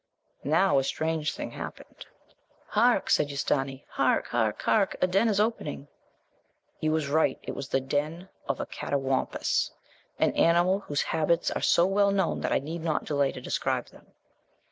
Now a strange thing happened. 'Hark!' said Ustâni; 'hark! hark! hark! a den is opening!' He was right; it was the den of a catawampuss, an animal whose habits are so well known that I need not delay to describe them.